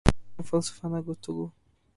بیانیہ یا فلسفانہ گفتگو